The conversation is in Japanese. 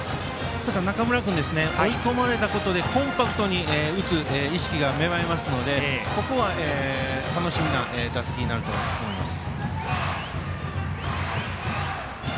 ただ、中村君は追い込まれたことでコンパクトに打つ意識が芽生えますのでここは楽しみな打席になると思います。